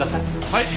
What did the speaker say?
はい！